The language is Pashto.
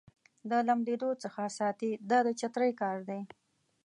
د لمدېدو څخه ساتي دا د چترۍ کار دی.